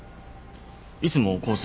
いつもコース